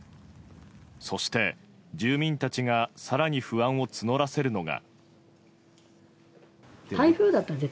そして、住民たちが更に不安を募らせるのが。